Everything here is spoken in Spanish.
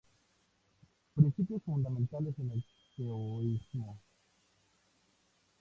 Principios fundamentales en el taoísmo.